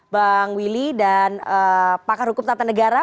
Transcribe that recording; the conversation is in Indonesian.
bang willy dan pakar hukum tata negara